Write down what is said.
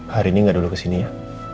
hari ini gak dulu kesini ya